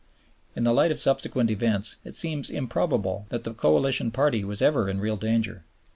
In the light of subsequent events it seems improbable that the Coalition Party was ever in real danger.